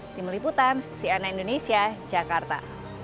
dimeliputan sienna indonesia jakarta